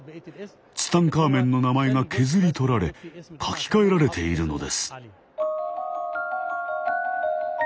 ツタンカーメンの名前が削り取られ書き換えられているのです。